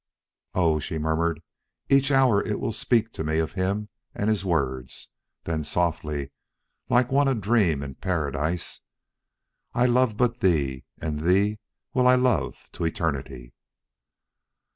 "Oh," she murmured, "each hour it will speak to me of him and his words," then softly, like one adream in Paradise: "I love but thee, And thee will I love to eternity."